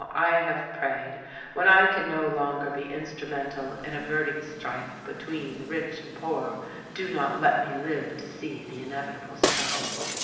I have prayed, 'When I can no longer be instrumental in averting strife between the rich and poor, do not let me live to see the inevitable struggle.'